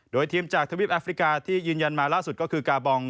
โดยทีมจากทวีปแอฟริกาที่ยืนยันมาล่าสุดก็คือกาบอง